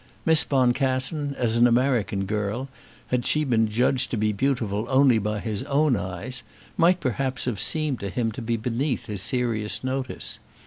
Miss Boncassen as an American girl, had she been judged to be beautiful only by his own eyes, might perhaps have seemed to him to be beneath his serious notice.